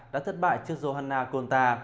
đã thất bại trước johanna conta